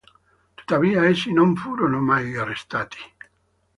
Tuttavia essi non furono mai arrestati.